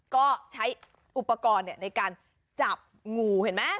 ก็ใช้อุปกรณ์ในการจับงูเห็นไหม